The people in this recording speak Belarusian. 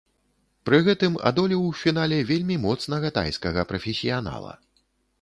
Пры гэтым адолеў у фінале вельмі моцнага тайскага прафесіянала.